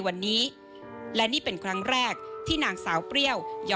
ก่อนน้องจะตายสงสารมั้ยคะ